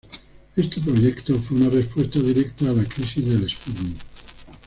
Este proyecto fue una respuesta directa a la crisis del Sputnik.